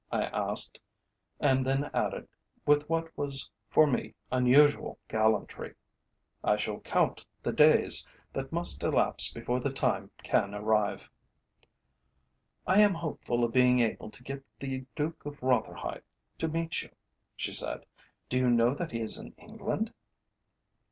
I asked, and then added, with what was for me unusual gallantry, "I shall count the days that must elapse before the time can arrive." "I am hopeful of being able to get the Duke of Rotherhithe to meet you," she said. "Do you know that he is in England?"